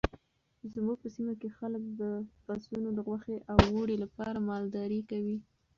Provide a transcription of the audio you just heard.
زموږ په سیمه کې خلک د پسونو د غوښې او وړۍ لپاره مالداري کوي.